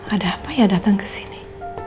ada apa ya datang ke sini